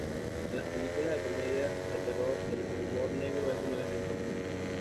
En las películas de comedia de terror, el humor negro es un elemento común.